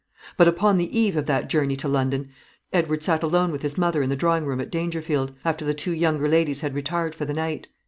But upon the eve of that journey to London Edward sat alone with his mother in the drawing room at Dangerfield, after the two younger ladies had retired for the night.